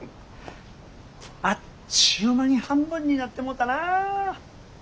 あっちゅう間に半分になってもうたなあ。